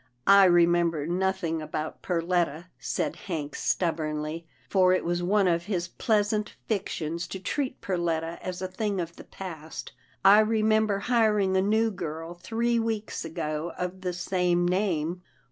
" I remember nothing about Perletta," said Hank stubbornly, for it was one of his pleasant fictions to treat Perletta as a thing of the past. " I re member hiring a new girl three weeks ago of the same name."